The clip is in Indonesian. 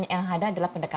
yang ada adalah pendekatan